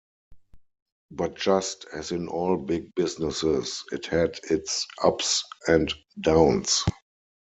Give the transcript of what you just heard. But just as in all big businesses, it had its ups and downs.